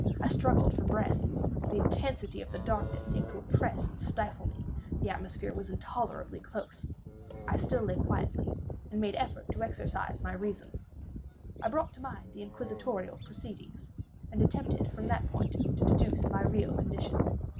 I struggled for breath. The intensity of the darkness seemed to oppress and stifle me. The atmosphere was intolerably close. I still lay quietly, and made effort to exercise my reason. I brought to mind the inquisitorial proceedings, and attempted from that point to deduce my real condition.